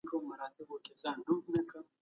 چارواکو به نوي تړونونه لاسلیک کول.